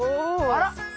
あら？